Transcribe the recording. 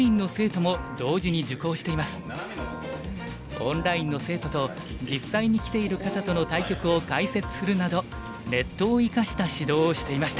オンラインの生徒と実際に来ている方との対局を解説するなどネットを生かした指導をしていました。